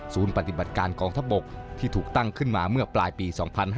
ปฏิบัติการกองทัพบกที่ถูกตั้งขึ้นมาเมื่อปลายปี๒๕๕๙